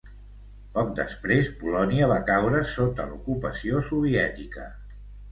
Poc després Polònia va caure sota l'ocupació soviètica.